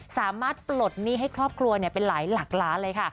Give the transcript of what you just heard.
สามารถปลดหนี้ให้ครอบครัวเนี่ยเป็นหลายหลักล้าเลยค่ะ